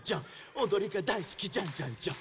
おどりがだいすきジャンジャンジャン！